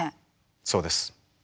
そうです。